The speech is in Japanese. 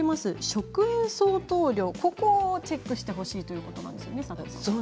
食塩相当量そこをチェックしてほしいということなんですね。